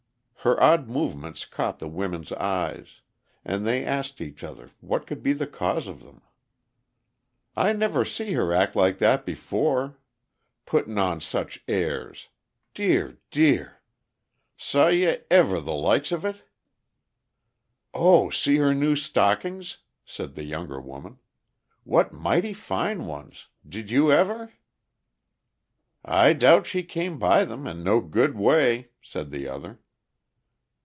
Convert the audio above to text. Her odd movements caught the women's eyes, and they asked each other what could be the cause of them. "I never see her act like that before. Puttin' on such airs! Dear! dear! Saw ye ever the likes of it?" "Oh, see her new stockings!" said the younger woman. "What mighty fine ones! Did you ever?" "I doubt she came by them in no good way," said the other.